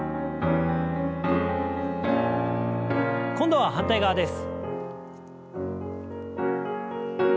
今度は反対側です。